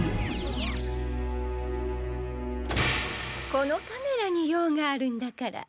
このカメラにようがあるんだから。